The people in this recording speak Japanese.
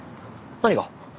何が？